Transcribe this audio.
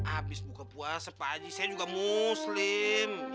abis buka puasa pak haji saya juga muslim